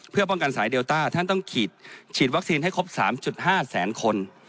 เพื่อป้องกันสายเดลต้าท่านต้องฉีดวัคซีนให้ครบ๓๕แสนคน